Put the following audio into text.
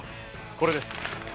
これです